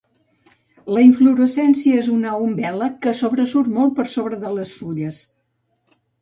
La inflorescència és una umbel·la que sobresurt molt per sobre de les fulles.